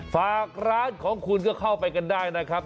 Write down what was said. ฝากร้านของคุณก็เข้าไปกันได้นะครับ